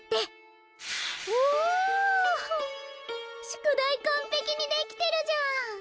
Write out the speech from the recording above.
宿題かんぺきにできてるじゃん！